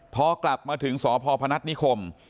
พอกลับมาถึงสพพนัฐนิคม